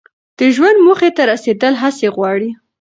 د ژوند موخې ته رسیدل هڅې غواړي.